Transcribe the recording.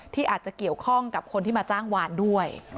ที่อาจจะเกี่ยวข้องกับคนที่มาจ้างวานด้วย